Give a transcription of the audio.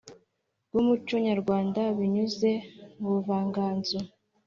bw’umuco nyarwanda binyuze mu buvanganzo